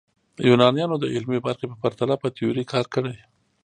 یونانیانو د عملي برخې په پرتله په تیوري کار کړی.